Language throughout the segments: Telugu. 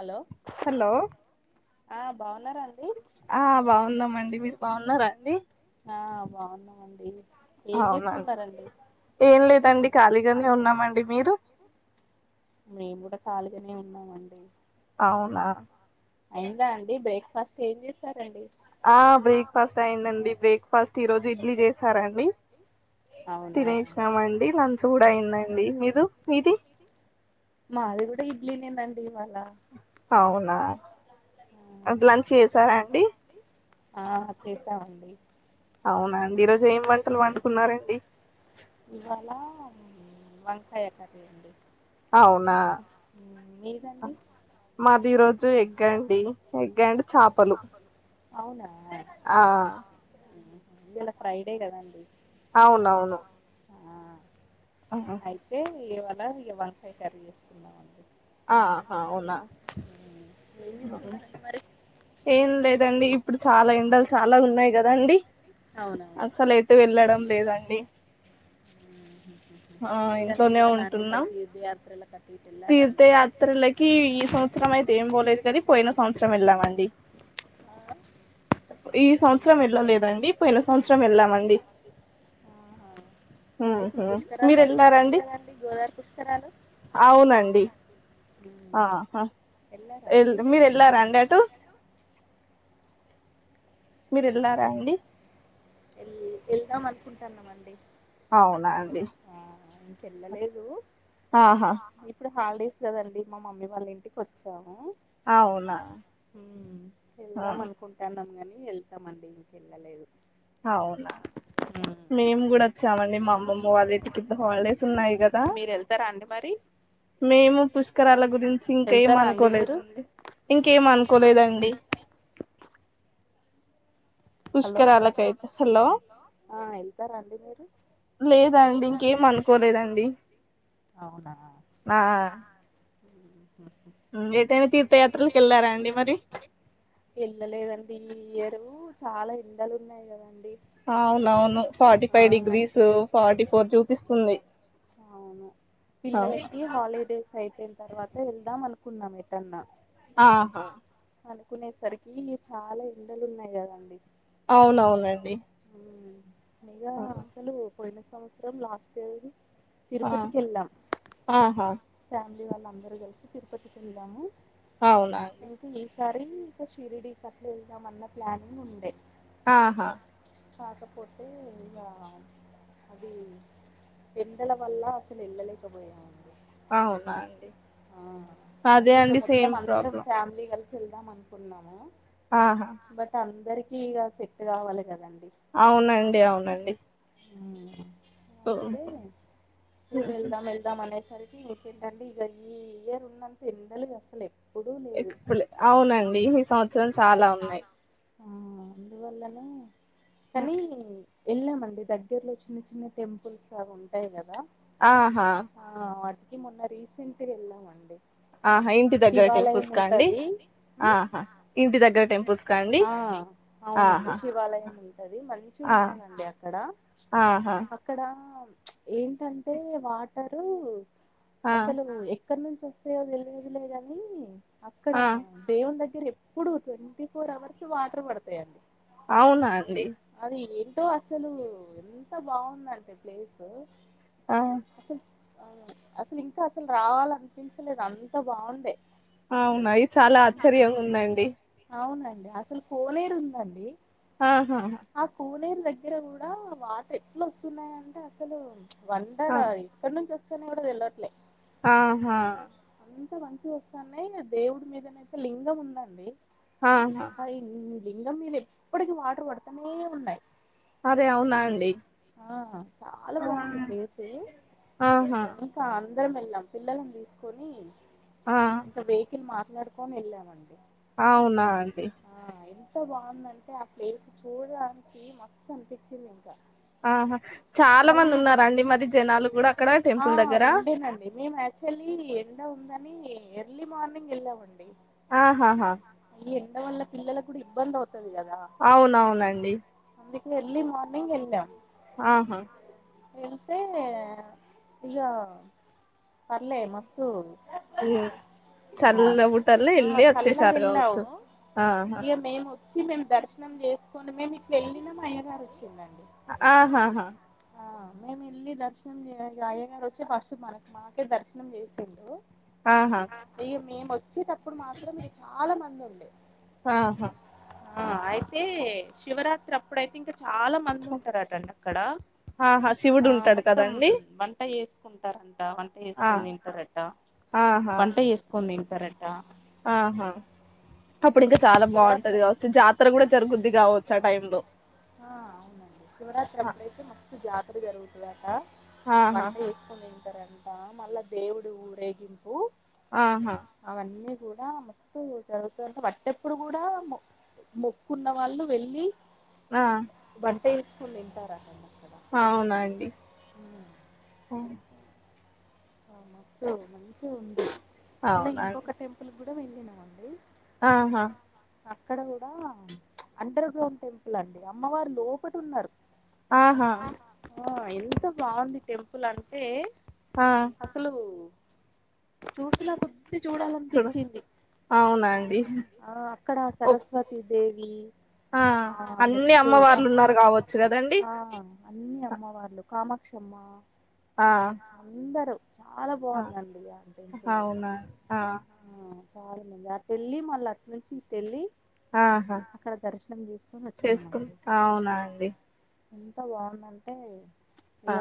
హలో హలో ఆ బా ఆ బాగున్నామ అండి మీరు బాగున్నారా అండి అవునండి ఏం లేదండి ఖాళీగానే ఉన్నామండి మీరు మేము గూడా కాళిగానే ఉన్నామండి అయిందా అండి బ్రేక్ఫాస్ట్ ఏంజ చేస్తారండి ఆ బ్రేక్ఫాస్ట్ అయి్యందండి బ్రేక్ఫాస్ట్ ఈ రోజు ఇడ్లీ చేసారండి తినేసినామండి లంచ్ కూడా అయిందండి మీరు మీది అీ వాళ అవునా అ లంచ్ చేసారా అండి అవునాండి ఈరోజు ఏమి వంటలు వండుకున్నారండి ఇవాళ వంకాయ కర అండి అవునా మాది రోజు ఎగ్గాండి ఎగ్గాండి చేపలు అవునా ఆ ఇళ ఫ్రైడే కదా అండి అవునవును అయితే ఏవ ఎలా వకాయ కర వేసుకున్నాంది ఆహా ఉవునా ఏం లేదండి ఇప్పుడు చాలా ఎండలు చాలా ఉన్నాయి కదండి అసలు ఎటు వెళ్ళడం లేదండి ఆ ఇంట్లోనే ఉంటున్నాం తీర్థయాత్రలకి ఈ సంవత్సరం అయితే ఏం పోలేదు నీ పోయిన సంవత్సరం ఇల్మండి ఈ సంవత్సరం వెళ్ళలేదండి పోయిన సంవత్సరం వెళ్ళామండి ఇప్పుడు పుష్కరాలు నడుస్తున్నాయి కదండి గోదవరి పుష్కరాలు అవు ఎల మీరు వెళ్ళారా అండే అటు మీరు వెళ్న్నారా అండి ఎల్ వెళ్దాం అనుకుంటున్నామండి అవునా అండి వెళ్ళలేదు ఆహా హాలిడేస్ కదండి మా మమ్మీ వాళ్ళ ఇంటికి వచ్చాము వెళ్దాం అనుకుంటాను నమ్గనే వెళ్తామండి ఇంకెళ్ళలేదు అవునా మేము కూడా చామండి మా మాల ఇటికింద హాలిడేస్ ఉన్నాయి కదా మేము పుష్కరాల గురించి ఇంక ఏం అనుకోలేదండి ఇంకేమ అనుకోలేదండి హ వెళ్తారాండి మీరు అవునా ఉ ఏద తీర్థయాత్రలకు వెళ్ళారాడి వెళ్ళలేదండి ఎరు చాలా ఎందలు ఉన్నాయి కదండి అవునవును forty five degrees forty four చూపిస్తుంది అవును కున్నాం ఎదన్నా ఆహా కునేసరికివి చాలా ఎండలు ఉన్నాయి కదండి అవునవునండి అయ్య చలు పోయిన సంవత్సరం లాస్ట్ ఇయర్ తరుపతికి వెళ్లం ఫ వాళ్ళ అందరుూ కలిసి తిరుపతికి వెళ్దాము అవునాండి సరే ఇక షిరిడికి అట్లా వెళ్దాంమన్న ప్లానింగ్ ఉంది స ఆహా కాకపోతే ఇక అది ఎండల వల్ల అసలు వెళ్ళలేకపోయాము అవునా అండి ఆ మళ్ళీ ఇక మొత్తం అందరం ఫ్యామిలీ కలిసి వెళ్ ఇద్దాం అనుకుంటున్నాము బట్ అందరి గా సెట్ కావాలి కదండి అవునండి అవునండి ఉ అయితే మీరు వెళ్దాం వెళ్దాం అనే సరిండి ఈ ఇయర్ ఉన్నంత ఎండలు అసలే ఇప్పుడు అవునండి ఈ సంవత్సరం చాలా ఉన్నాయి అందువల్లన కానీ వెళ్ళామండి దగ్గరలో చిన్న చిన్న టెంపుల్స్ అవి ఉంటాయి కదా ఆహా మొన్న రీసెంట్ టుగ ఎల్లమండి శివాలయం ఉంటది ఆ అవునండి శివాలయం ఉంటది మంచిగుంటదండి అక్కడ అక్కడ ఏంటంటే వాటరు అసలు ఎక్ ఎక్కడ నుంచి వస్తయో తెలీదులే గాని అక్కడ దేవున్ దగ్ మీరు ఎప్పుడు ట్వంటీ ఫోర్ అవర్స్ వాటర్ పడతాయండి అవునా అండి ఏంటో అసలు ఎంత బాగుంద అంటే ప్లేస్ ఆ చ్ అసలు ఇంకా అసలు రావాల అనిపించలేదు అంత బాగుండే అవునా ఇద్ చాలా ఆశ్చర్యంగా ఉందండి అసలు కోలేరు ఉందండి ఆాహా దగ్గర కూడా వాటర్ ఎట్లా వస్తున్నాయ అంటే అసలు వండరా ఎక్కడ నుంచి వస్త కూడ తేల్వట్లే ఆహా ఎంత మంచి వస్తానాయి దేవుడి మీదనయితే లింగం ఉందండి ఆ ఇ లింగం మీళ్ళ ఎప్పటికీ వాటర్ పడతానే ఉన్నాయి ఆ చాలా బాగుంది ప్లేసు చాలా ఇద్దరం ఎళ్ళం పిల్లలమ్ తీసుకొని ఇంక వెకిన్ మాత్ర నడుకొని వెళ్ళామండి అవునా అండి ఎంత బాగుందంటే ఆ ప్లేస్ చూడడానికి మస్తు అనిపించింది ఇంకా ఆహా చాలా మంది ఉన్నారండి మరి జనాలు కూడా అక్కడ టెంపుల్ దగ్గరా ఎండ ఉందని ఎర్లీ మార్నింగ్ వెళ్ళామండి. ఆహాహా ఎండ వల్ల పిల్లలకు కూడా ఇబ్బంది అవుతున్ తది కదా అందిక్ ఎర్లీ మార్నింగ్ ఎల్లా ఆహా ఇస్తే అయ్యో పర్లే మసూర్ ఊచల్ల బుటల్లో వెళ్ళి వచ్చేసారు కావచ్చు ఆహా వచ్చి మేము దర్శనం చేసుకొని మేము ఇట్ల వెళ్ళినం అయ్య గారు వచ్చిండం మేము వెళ్లి దర్శనం చే అయ్య గారు వచ్చి ఫస్ట్ మనకి మా కె దర్శనం చేసిండు అయ్యో మేము వచ్చి న ఇప్పుడు మాత్రం మీరు చాలా మంది ఉ ఆహా ఆ అయితే శివరాత్రి అప్పుడైతే ఇంక చాలా మంది ఉంటారుటండి అక్కడ ఆ మొత్తం వంట చేసి ఉంటారంట తీసుకొని తింటారంట వంట చేసుకొని తింటారు కరెక్టా ఆహా అప్పుడు ఇంకా చాలా బావుంటది కావచ్చు జాతర కూడా జరుగుద్ది కావచ్చు ఆ టైం లో ఆ శివరాత్రి అప్పుడైతే మస్తు జాత అది జరుగుతుంద వంట చేసుకుని తింటరండి ఆ మళ్ళా దేవుడు ఊ రేగింపు ఆహా కూడా మస్తు జరుగుతుంట వటిప్పుడు కూడా మొ మొక్కున్న వాళ్ళు వెళ్ళి ఆ అంటే ఇస్తు తింటారన్న అవునా అండి ఆ సో ఉంది మళ్ళ ఇంకొక టెంపుల్ గుడి వెెళ్ళినానండి ఆహా అక్కడ కూడా అండర్ గ్రౌండ్ టెంపుల్ అండి అమ్మవారు లోపట ఉన్నారు ఆహా ఎంత బాగుంది టెంపుల్ అంటే అసలు చూసిన కొద్ది చూడాలనిపించింది ఆ అక్కడ సరస్వతి దేవిీ ఆ అన్ని అమ్మవార్లు ఉన్నారు కావచ్చు కదండి అన్ని అమ్మ వాళ్లు కామాక్షమ్మా అందరం చాలా బాగుందండి అంట ఇంపులు అయితే ఆ చాలా మంది ఆ తళ్లి మళ్ళీ అట్ నుంచి తెళ్లి ఆహా చేసుకుం అవునా అండి ఎంత బాగుందంటే య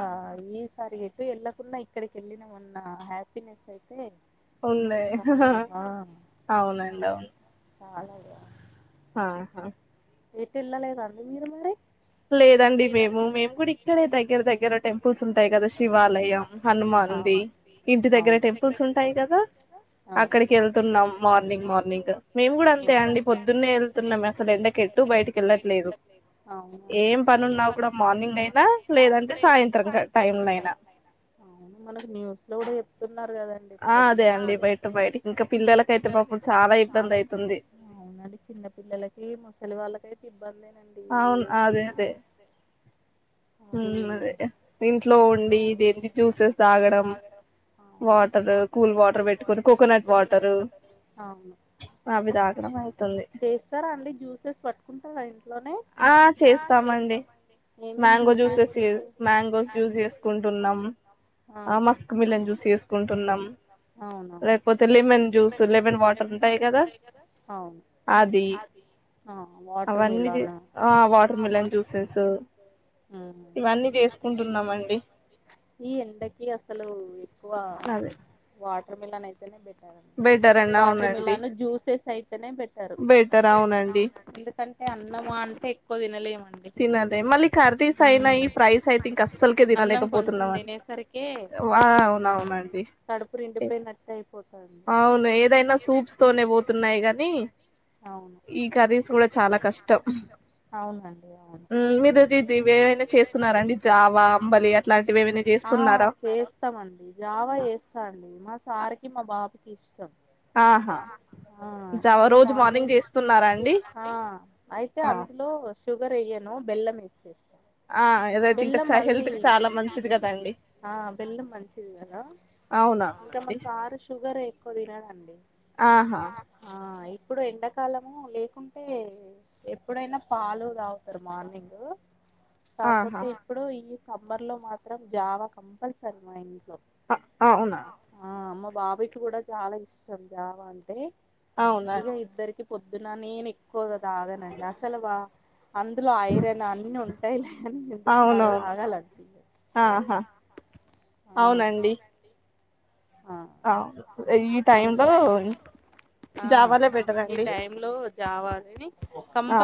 ఈ సారగా అప్పుడు వెళ్లకుండా ఇక్కడికి వెళ్ళినా మన్న హ్యాపీనెస్ అయితే ఉంది అవునండి అవును చాల ఆాహా ఏతేళ్ళలేద అం మీరు మరి లేదండి మేము మేము కూడా ఇక్కడే దగ్గర దగ్గర టెంపుల్స్ ఉంటాయి కదా శివాలయం హనుమంది ఇంటి దగ్గర టెంపుల్స్ ఉంటాయి కదా అక్కడికి వెళ్తున్నాం మార్నింగ్ మార్నింగ్ మేము కూడా అంతే అండి పొద్దున్నే వెళ్తున్నా అసలు ఎండకెట్టు బయటికి వెళ్ట్లేదు ఏం పని ఉన్నావు కూడా మార్నింగ్ అయినా లేదంటే సాయంత్రం టైమ్ లో అయినా న్నారు కదండి ఇప్పటికప్పుడుదే అం బయయ ఇంకా పిల్లలక అయితేడు చాలా ఇబ్బంది అయితే ఉన్నాండి చిన్న పిల్లకి తెలి వాళ్ళకి ఇబంది అవును అదే అదే ఉ అదే ఇంట్లో ఉండి ఇదేంటి జ్యూసెస్ తాగడం వాటర్ కూల్ వాటర్ పెట్టుకొని కోకోనట్ వాటరు అవి తాగడం అవుతుంది స చేస్తాం మిక లెన్ జూలెన్ వాటర్ ఉాయి కదా అ వాటర్ మిలాను టకు ఈ ఎండకి అసలు ఎక్కువ మ అైతేనే బట్ వాటర్ మిల్లాన్ జ్యూసెస్ అయితే అనే పెట్టారు ిల్స్ అంటే అందం అంటే ఎక్కువ తినలేము తినలే మళ్ళీ కరదీస్ అయినా ఈ ప్రైస్ ఐతే అస్సల్కే తినలేకపోతున్నామండి అవునవునండి అవును ఏదైనా సూప్స్ తోనే పోతున్నాయి కాగానీ ఈ కర్రీ ఈ కరీస్ కూడా చాలా కష్టం అవునండి ఆ చేస్తామండి జావా చేస్తాండి మా సారికి మా బాబుకి ఇష్టం ఆహా జావా రోజు మార్నింగ్ చేస్తున్నారాండి ఆ అయితే అందులో శు షుగర్ వెయ్యను బెల్లం ఎస్తా బెల్లం మళ్ళీ ఆ బెల్లం మంచిది కదా ఇంకా మా సారు షుగర్ అయి ఎక్కువ తిన్నారండి ఆహా హా ఇప్పుడు ఎండాకాలము లే అకుంటే ఎప్పుడైనా పాలు తాగుతారు మార్నింగ్ కాకపోతే ఇప్పుడు ఇ సమ్మర్ లో మాత్రం జావ కంపల్సరీ మా ఇంట్లో అ అవునా బాబి కి కూడా చాలా ఇష్టం జావ అంటే ఇగా ఇద్దరికి పొద్దున్న నేనే ఆాగనండి అసలు వా అందులో ఐరన్ అన్ని ఉంటాయిలే అని ఎందుకో తాగాలనిపిస్తాలే ఆ అవునండి ఈ టైమ్ లో జావాలే బెటర్ రండి హ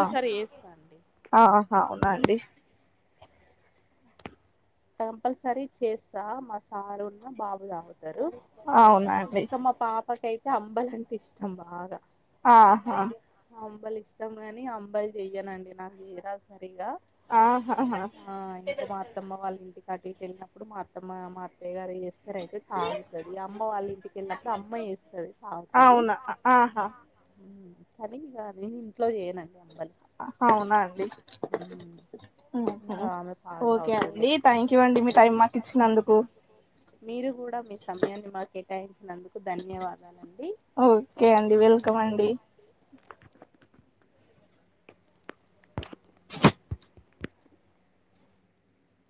అవునా అండి కంపల్సరీ చేస్తా మా సారు ఉన్న బాబు తారు ఇంకామ్ మా పాప కై అంటే అంబల అంటే ఇష్టం బాగా ఆహా అంబాలి ఇష్టం గాని అంబాలి చెయ్యనండి నాకు చేయ్యరాదు సరిగ్గా ఇగా మా అత్తమ్మ వాళ్ళ ఇంటిటి అటు ఇటు వెళ్ళినప్పుడు మా అత్తమ్మ మా అత్తయ్య గారు వస్తార అయితే తాగుతది అమ్మ వాళ్ళ ఇంటిక వెళ్ళినప్పుడు అమ్మయి వస్తుంది తాగుతది పనికి రానియి నేను ఇంట్లో చేయనండి అవునా అండి ఓకే అండి థ్యాంక్ మీరు కూడా మీ సమయాన్ని మాక కేటాయించినందుకు ధన్యవాదాలండి ఓకే అండి వెల్కమ్ అండి